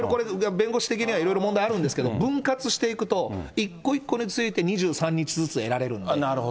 弁護士的にはいろいろ問題あるんですけど、分割していくと、一個一個について２３日ずつ得られるんで。